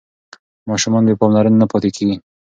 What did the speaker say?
ماشومان بې پاملرنې نه پاتې کېږي.